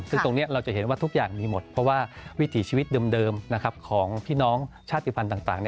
ซึ่งตรงนี้เราจะเห็นว่าทุกอย่างมีหมดเพราะว่าวิถีชีวิตเดิมของพี่น้องชาติภัณฑ์ต่าง